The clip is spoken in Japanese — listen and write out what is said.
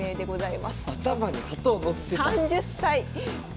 ３０歳！